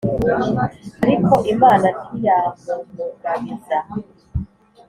ariko imana ntiyamumugabiza